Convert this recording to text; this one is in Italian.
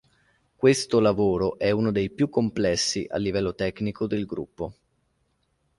Questo lavoro è uno dei più complessi a livello tecnico del gruppo.